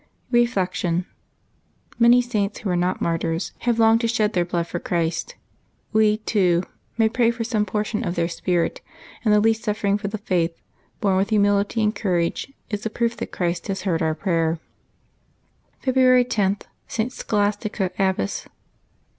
Reflection. — Many saints, who were not martyrs, have longed to shed their blood for Christ. We, too, may pray for some portion of their spirit; and the least suffering for the faith, borne with humility and courage, is the proof that Christ has heard our prayer. February lo.— ST. SCHOLASTICA, Abbess.